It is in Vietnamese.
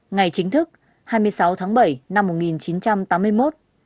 ngày chính thức hai mươi sáu tháng bảy năm một nghìn chín trăm tám mươi một